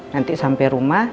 nanti sampe rumah